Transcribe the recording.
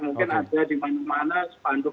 mungkin ada di mana mana sepanduk